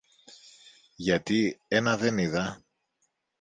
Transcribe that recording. Γιατί ένα δεν είδα